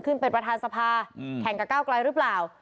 เป็นประธานสภาแข่งกับก้าวไกลหรือเปล่า